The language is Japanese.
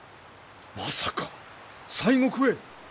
まさか西国へ。